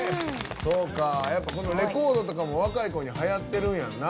このレコードとかも若い子にはやってるんやんな。